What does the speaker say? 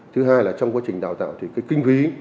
thứ hai là trong quá trình đào tạo thì cái kinh ví